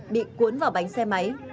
bị cuốn vào bánh xe máy